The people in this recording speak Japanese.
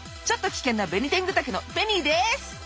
ちょっと危険なベニテングタケのベニです！